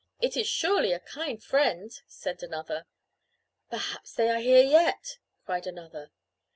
"It is surely a kind friend," said another. "Perhaps they are here yet!" cried another.